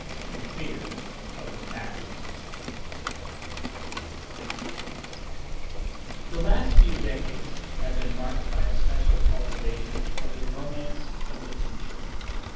THE FEAR OF THE PAST The last few decades have been marked by a special cultivation of the romance of the future.